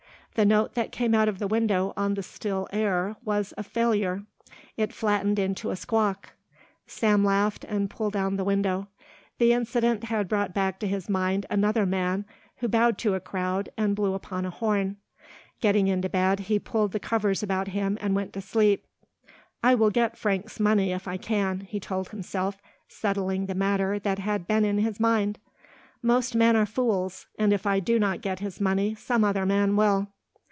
The note that came out of the window on the still air was a failure, it flattened into a squawk. Sam laughed and pulled down the window. The incident had brought back to his mind another man who bowed to a crowd and blew upon a horn. Getting into bed he pulled the covers about him and went to sleep. "I will get Frank's money if I can," he told himself, settling the matter that had been in his mind. "Most men are fools and if I do not get his money some other man will."